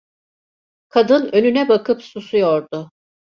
Kadın önüne bakıp susuyordu.